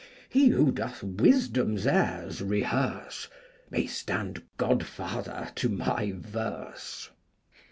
He who doth wisdom's airs rehearse May stand godfather to my verse!